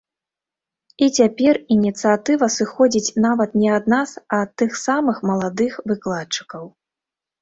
І цяпер ініцыятыва сыходзіць нават не ад нас, а ад тых самых маладых выкладчыкаў.